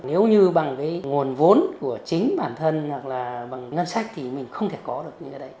nếu như bằng cái nguồn vốn của chính bản thân hoặc là bằng ngân sách thì mình không thể có được những cái đấy